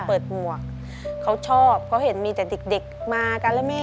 ต้องรักคนมีเจ้าขอ